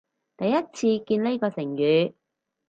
第一次見呢個成語